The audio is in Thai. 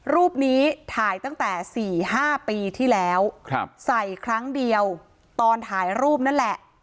รูปนี้ถ่ายตั้งแต่๔๕ปีที่แล้วใส่ครั้งเดียวตอนถ่ายรูปนั่นแหละ